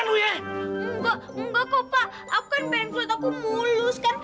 enggak enggak kok pak aku kan pengen kulit aku mulus kan